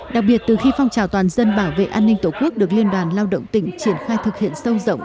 đặc biệt từ khi phong trào toàn dân bảo vệ an ninh tổ quốc được liên đoàn lao động tỉnh triển khai thực hiện sâu rộng